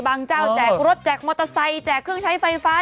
เจ้าแจกรถแจกมอเตอร์ไซค์แจกเครื่องใช้ไฟฟ้า